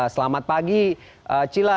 selamat pagi cila